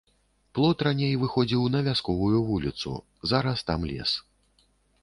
Плот раней выходзіў на вясковую вуліцу, зараз там лес.